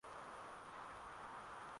kama hiyo hali imekutokezea